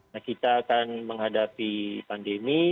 nah kita akan menghadapi pandemi